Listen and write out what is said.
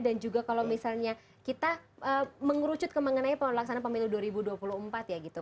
dan juga kalau misalnya kita mengerucut ke mengenai pelaksanaan pemimpin dua ribu dua puluh empat ya gitu